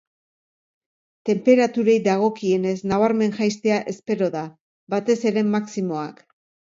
Tenperaturei dagokienez nabarmen jaistea espero da, batez ere maximoak.